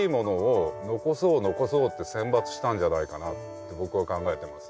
って僕は考えてます。